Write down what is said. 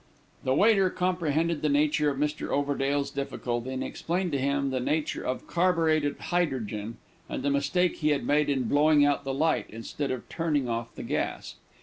The waiter comprehended the nature of Mr. Overdale's difficulty, and explained to him the nature of carburetted hydrogen, and the mistake that he had made in blowing out the light, instead of turning off the gas.